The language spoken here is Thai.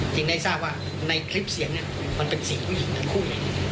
จึงได้รู้ที่คลิปเสียงมันเป็นเสียงผู้หญิงทั้งคู่